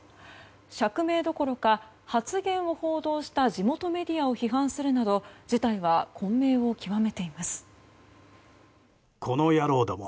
釈明どころか発言を報道した地元メディアを批判するなど事態は混迷を極めています。